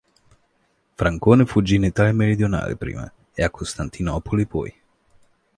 Francone fuggì in Italia meridionale prima, e a Costantinopoli poi.